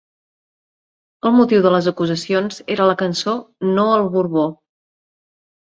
El motiu de les acusacions era la cançó ‘No al borbó’.